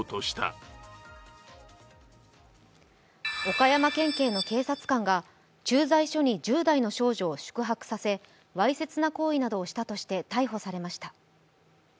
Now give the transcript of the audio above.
岡山県警の警察官が駐在所に１０代の少女を宿泊させわいせつな行為などをしたなどとして逮捕されました。